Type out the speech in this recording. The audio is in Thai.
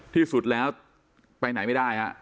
ที่สุดนับไปไหนไม่ได้